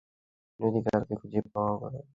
যদি কালকেও খুঁজে না পান?